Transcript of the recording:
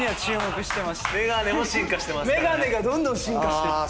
眼鏡がどんどん進化してって。